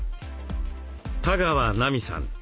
多川奈美さん。